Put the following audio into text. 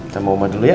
sama uma dulu ya